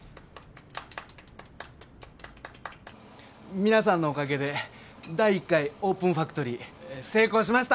皆さんのおかげで第１回オープンファクトリー成功しました！